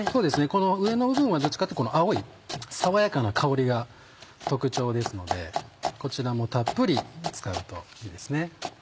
この上の部分はどっちかっていうと青い爽やかな香りが特徴ですのでこちらもたっぷり使うといいですね。